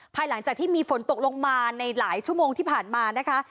ภายหลังจากที่มีฝนตกลงมาในหลายชั่วโมงที่ผ่านมานะคะ